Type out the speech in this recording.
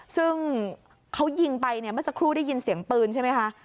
ซึ่งเขายิงไปเนี่ยเมื่อสักครู่ได้ยินเสียงปืนใช่ไหมคะ